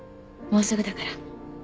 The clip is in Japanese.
もうすぐだから。